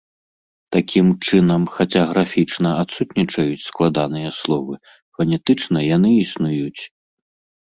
Такім чынам, хаця графічна адсутнічаюць складаныя словы, фанетычна яны існуюць.